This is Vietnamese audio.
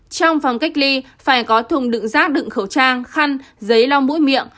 trong phòng cách ly phải có thùng đựng rác đựng khẩu trang khăn giấy la mũi miệng